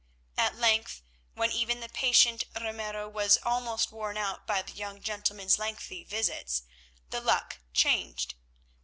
At length, when even the patient Ramiro was almost worn out by the young gentleman's lengthy visits, the luck changed.